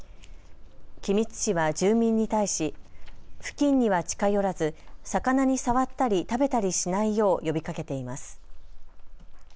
君津市は住民に対し付近には近寄らず魚に触ったり食べたりしないよう呼びかけています。